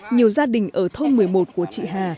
nhiều gia đình ở thôn một mươi một của chị hà